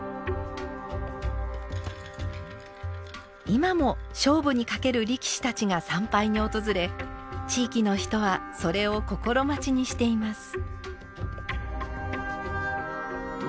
今も勝負にかける力士たちが参拝に訪れ地域の人はそれを心待ちにしています。